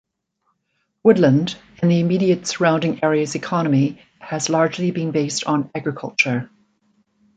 Woodland and the immediate surrounding area's economy has largely been based on agriculture.